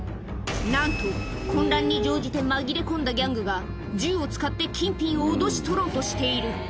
なんと、混乱に乗じて紛れ込んだギャングが、銃を使って金品を脅し取ろうとしている。